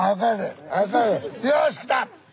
よしきた！